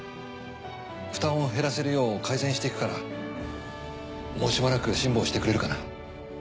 負担を減らせるよう改善していくからもうしばらく辛抱してくれるかな。